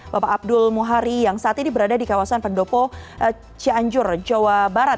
bapak abdul muhari yang saat ini berada di kawasan pendopo cianjur jawa barat